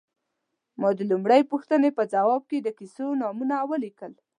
ما د لومړۍ پوښتنې په ځواب کې د کیسو نومونه ولیکل.